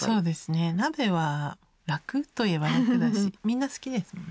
鍋は楽といえば楽だしみんな好きですもんね。